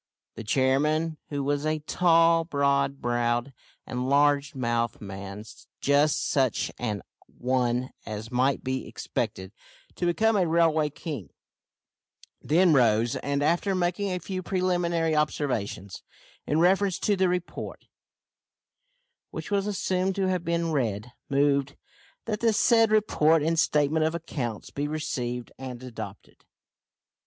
The chairman, who was a tall, broad browed, and large mouthed man, just such an one as might be expected to become a railway king, then rose, and, after making a few preliminary observations in reference to the report, which was assumed to have been read, moved, "that the said report and statement of accounts be received and adopted."